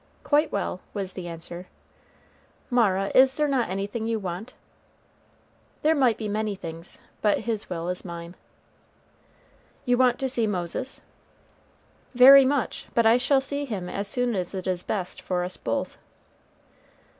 "Quite well," was the answer. "Mara, is not there anything you want?" "There might be many things; but His will is mine." "You want to see Moses?" "Very much; but I shall see him as soon as it is best for us both."